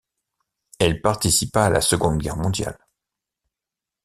Elle participa à la Seconde Guerre mondiale.